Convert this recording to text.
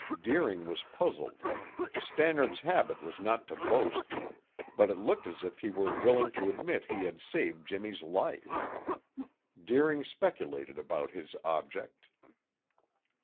Deering was puzzled. Stannard's habit was not to boast, but it looked as if he were willing to admit he had saved Jimmy's life. Deering speculated about his object.